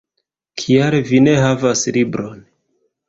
Kial vi ne havas libron?